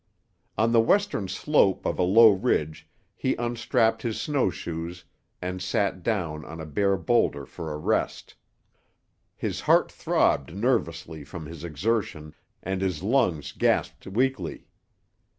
On the western slope of a low ridge he unstrapped his snow shoes and sat down on a bare boulder for a rest. His heart throbbed nervously from his exertion and his lungs gasped weakly.